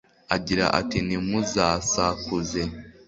agira ati ntimuzasakuze